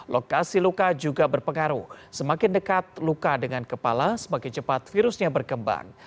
lokasi luka juga berpengaruh semakin dekat luka dengan kepala semakin cepat virusnya berkembang